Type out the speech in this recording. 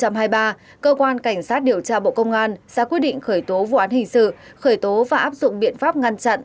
nguyễn thị thanh nhàn sẽ quyết định khởi tố vụ án hình sự khởi tố và áp dụng biện pháp ngăn chặn